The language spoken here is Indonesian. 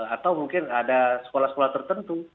atau mungkin ada sekolah sekolah tertentu